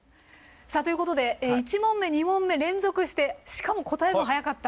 さあということで１問目２問目連続してしかも答えも早かった。